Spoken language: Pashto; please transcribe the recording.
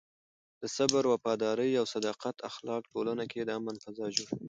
د صبر، وفادارۍ او صداقت اخلاق ټولنه کې د امن فضا جوړوي.